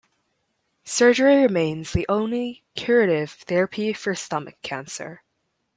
Surgery remains the only curative therapy for stomach cancer.